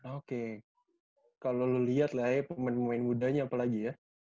oke kalo lu liat lah ya pemain pemain mudanya apalagi ya